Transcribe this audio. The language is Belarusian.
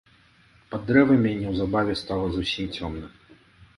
Пад дрэвамі неўзабаве стала зусім цёмна.